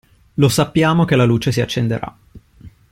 Lo sappiamo che la luce si accenderà.